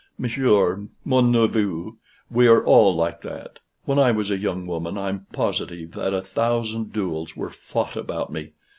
Monsieur mon neveu we are all like that. When I was a young woman, I'm positive that a thousand duels were fought about me.